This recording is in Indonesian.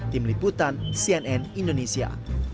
tim liputan cnn indonesia